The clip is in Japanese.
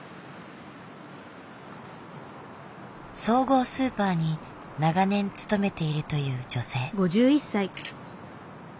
総合スーパーに長年勤めているという女性。